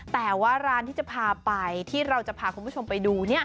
แต่ว่าร้านที่จะพาไปที่เราจะพาคุณผู้ชมไปดู